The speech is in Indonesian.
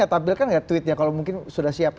tampilkan nggak tweetnya kalau mungkin sudah siap